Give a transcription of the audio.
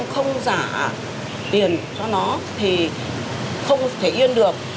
không giả tiền cho nó thì không thể yên được